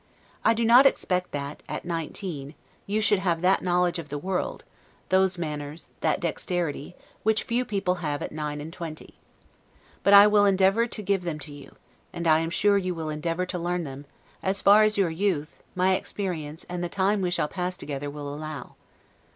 I do not expect that, at nineteen, you should have that knowledge of the world, those manners, that dexterity, which few people have at nine and twenty. But I will endeavor to give them you; and I am sure you will endeavor to learn them, as far as your youth, my experience, and the time we shall pass together, will allow.